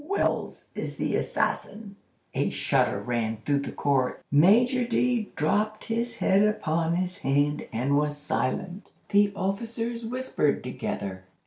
WELLS is the assassin!'" A shudder ran through the court. Major D—— dropped his head upon his hand and was silent. The officers whispered together.